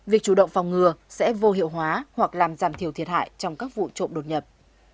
việc chủ động phòng ngừa sẽ vô hiệu hóa hoặc làm giảm thiểu thiệt hại trong các vụ trộm đột nhập